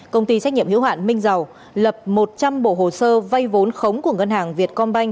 công ty trách nhiệm hữu hạn minh dầu lập một trăm linh bộ hồ sơ vay vốn khống của ngân hàng việt công banh